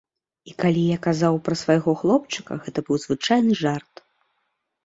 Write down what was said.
І калі я казаў пра свайго хлопчыка, гэта быў звычайны жарт.